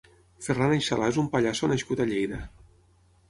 Ferran Aixalà és un pallasso nascut a Lleida.